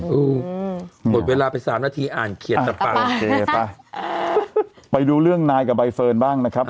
อืมอืมหมดเวลาไปสามนาทีอ่านเขียนตะปาเออไปดูเรื่องนายกับใบเฟิร์นบ้างนะครับ